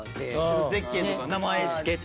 ゼッケンとか名前つけて。